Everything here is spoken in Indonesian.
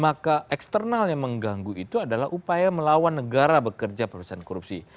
maka eksternal yang mengganggu itu adalah upaya melawan negara bekerja pemerintahan korupsi